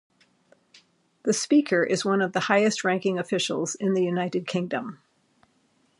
The Speaker is one of the highest-ranking officials in the United Kingdom.